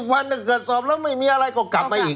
วันหนึ่งเกิดสอบแล้วไม่มีอะไรก็กลับมาอีก